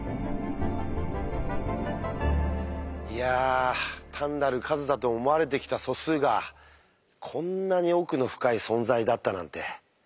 いや単なる数だと思われてきた素数がこんなに奥の深い存在だったなんて。